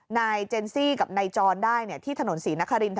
ไนท์เจนซี่กับไนท์จอลได้เนี่ยที่ถนนศรีนักษรินน์